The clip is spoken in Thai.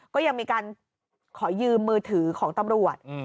ก็ยังมีการขอยืมมือถือของตำรวจ